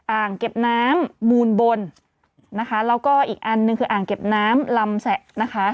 อ่างเก็บน้ำมูลบนนะคะแล้วก็อีกอันหนึ่งคืออ่างเก็บน้ำลำแสะนะคะ